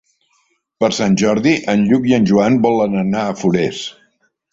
Per Sant Jordi en Lluc i en Joan volen anar a Forès.